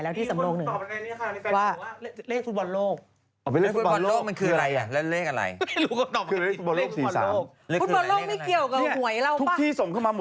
เลขนี้หรอคะคุณดารณีบอกมา